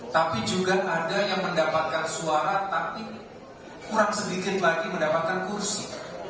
tapi juga ada yang mendapatkan suara tapi kurang sedikit lagi mendapatkan kursi